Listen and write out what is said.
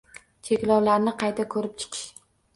Cheklovlarni qayta ko‘rib chiqish